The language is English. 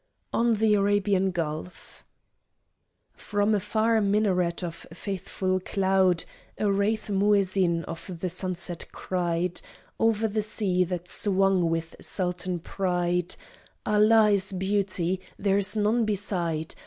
ON THE ARABIAN GULF From a far minaret of faithful cloud A wraith muezzin of the sunset cried Over the sea that swung with sultan pride, "Allah is Beauty, there is none beside!